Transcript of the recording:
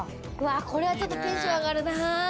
これは、ちょっとテンション上がるな。